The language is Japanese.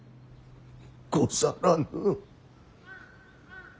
ござらぬ。